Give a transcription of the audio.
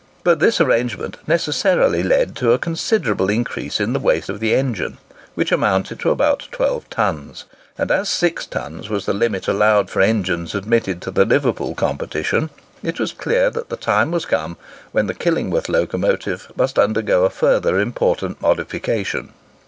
But this arrangement necessarily led to a considerable increase in the weight of the engine, which amounted to about twelve tons; and as six tons was the limit allowed for engines admitted to the Liverpool competition, it was clear that the time was come when the Killingworth locomotive must undergo a further important modification.